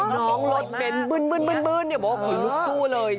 น้องรถเป็นบึนอย่าบอกว่าเป็นลูกคู่เลย